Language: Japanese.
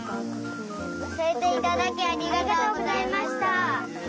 おしえていただきありがとうございました。